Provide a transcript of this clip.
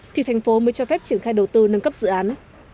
thì thành phố mới cho phép triển khai đầu tư nâng cấp dự án